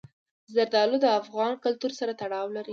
زردالو د افغان کلتور سره تړاو لري.